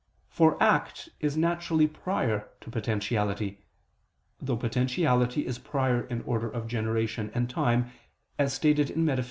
For act is naturally prior to potentiality, though potentiality is prior in order of generation and time, as stated in _Metaph.